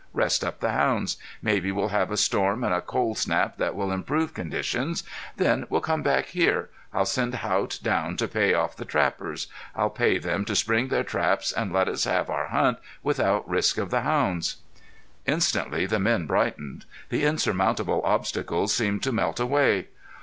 Rest up the hounds. Maybe we'll have a storm and a cold snap that will improve conditions. Then we'll come back here. I'll send Haught down to buy off the trappers. I'll pay them to spring their traps and let us have our hunt without risk of the hounds." Instantly the men brightened. The insurmountable obstacles seemed to melt away.